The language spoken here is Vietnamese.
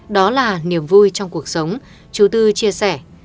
đó là niềm vui trong cuộc sống chú tư chia sẻ